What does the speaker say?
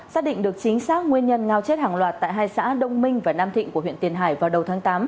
xác định được chính xác nguyên nhân ngao chết hàng loạt tại hai xã đông minh và nam thịnh của huyện tiền hải vào đầu tháng tám